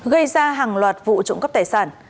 gây ra hàng loạt vụ trộm cắp tài sản